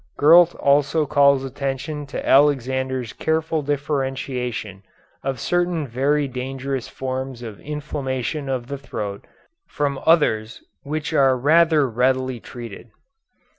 Gurlt also calls attention to Alexander's careful differentiation of certain very dangerous forms of inflammation of the throat from others which are rather readily treated.